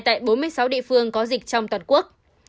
tại bốn mươi sáu địa phương có dịch trong toàn quốc